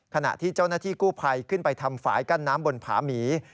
ขณะที่เจ้าหน้าที่กู้ภัยขึ้นไปทำฝ่ายกั้นน้ำบนผาหมี